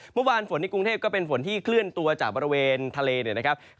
เมื่อวานฝนในกรุงเทพก็เป็นฝนที่เคลื่อนตัวจากบริเวณทะเลเนี่ยนะครับ